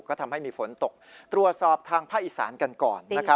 ก็ทำให้มีฝนตกตรวจสอบทางภาคอีสานกันก่อน